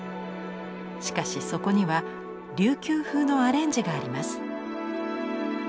しかしそこには琉球風のアレンジがあります。